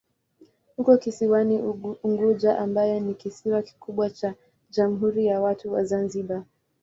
Uko kisiwani Unguja ambayo ni kisiwa kikubwa cha Jamhuri ya Watu wa Zanzibar.